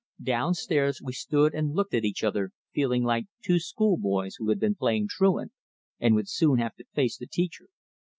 Downstairs, we stood and looked at each other, feeling like two school boys who had been playing truant, and would soon have to face the teacher.